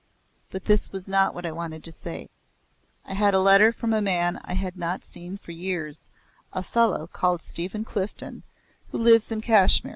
But this was not what I wanted to say. I had a letter from a man I had not seen for years a fellow called Stephen Clifden, who lives in Kashmir.